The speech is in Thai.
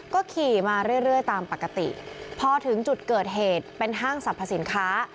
ก็ขี่มาเรื่อยตามปกติพอถึงจุดเกิดเหตุเป็นห้างสรรพสินค้า